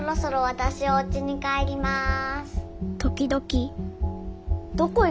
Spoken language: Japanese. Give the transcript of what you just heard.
わたしおうちに帰ります。